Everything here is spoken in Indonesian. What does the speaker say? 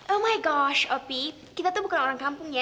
oh my gosh opi kita tuh bukan orang kampung ya